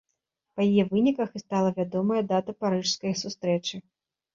Па яе выніках і стала вядомая дата парыжскай сустрэчы.